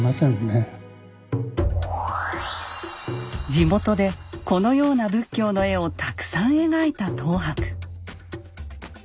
地元でこのような仏教の絵をたくさん描いた等伯。